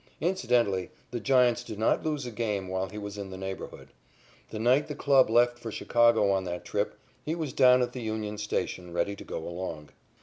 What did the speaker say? Incidentally, the Giants did not lose a game while he was in the neighborhood. The night the club left for Chicago on that trip, he was down at the Union Station ready to go along.